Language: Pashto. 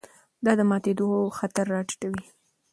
دا د ماتېدو خطر راټیټوي.